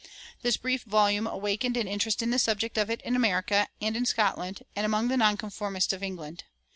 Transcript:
This brief volume awakened an interest in the subject of it in America, and in Scotland, and among the nonconformists of England.